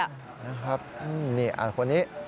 นะครับนี่คนนี้